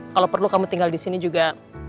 kalau perlu kamu tinggal disini juga